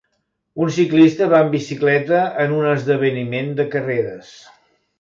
Un ciclista va amb bicicleta en un esdeveniment de carreres.